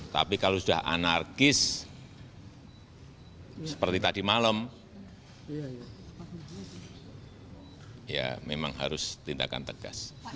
tapi kalau sudah anarkis seperti tadi malam ya memang harus tindakan tegas